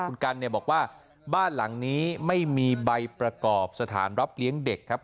คุณกันเนี่ยบอกว่าบ้านหลังนี้ไม่มีใบประกอบสถานรับเลี้ยงเด็กครับ